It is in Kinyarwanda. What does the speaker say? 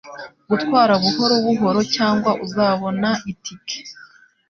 Gutwara buhoro buhoro, cyangwa uzabona itike.